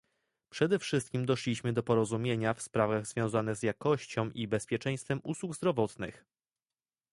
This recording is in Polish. Przede wszystkim doszliśmy do porozumienia w sprawach związanych z jakością i bezpieczeństwem usług zdrowotnych